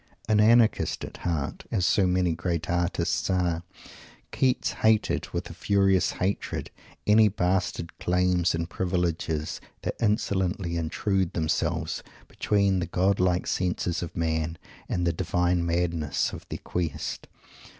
An anarchist at heart as so many great artists are Keats hated, with a furious hatred, any bastard claims and privileges that insolently intruded themselves between the godlike senses of Man and the divine madness of their quest.